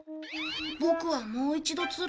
ボクはもう一度釣るよ。